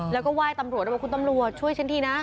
แล้วก็ไหว้ตำรวจแล้วบอกคุณตำรวจช่วยฉันทีนะ